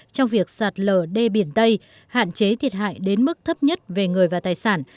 trong việc sạt lở đê biển tây hạn chế thiệt hại đến mức thấp nhất về người và tài sản